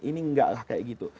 ini tidaklah seperti itu